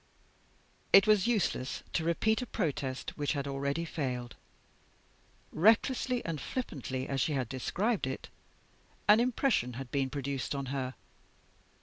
"It was useless to repeat a protest which had already failed. Recklessly and flippantly as she had described it, an impression had been produced on her.